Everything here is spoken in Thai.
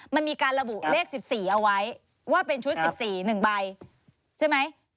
มันมีการระบุเลข๑๔เอาไว้ว่าเป็นชุด๑๔๑ใบใช่ไหม